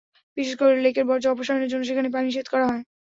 বিশেষ করে লেকের বর্জ্য অপসারণের জন্য সেখানে পানি সেচ করা হয়।